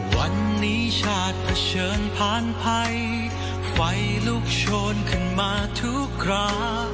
วันนี้ชาติเผชิญผ่านภัยไฟลุกโชนขึ้นมาทุกครา